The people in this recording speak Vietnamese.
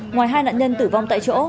ngoài hai nạn nhân tử vong tại chỗ